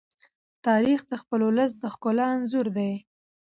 تاریخ د خپل ولس د ښکلا انځور دی.